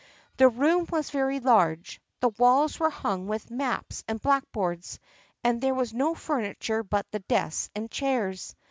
The room was very large, the walls were hung with maps and blackboards, and there was no furniture but the desks and chairs.